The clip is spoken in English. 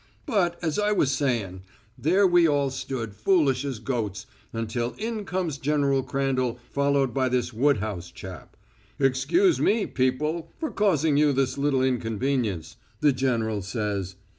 But, as I was sayin', there we all stood, foolish as goats, until in comes General Crandall, followed by this Woodhouse chap. 'Excuse me, people, for causing you this little inconvenience,' the general says.